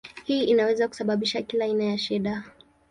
Hii inaweza kusababisha kila aina ya shida.